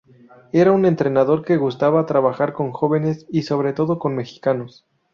Era un entrenador que gustaba trabajar con jóvenes y sobre todo con mexicanos.